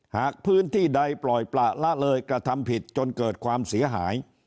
หากพื้นที่ใดปล่อยประละเลยกระทำผิดจนเกิดความเสียหาย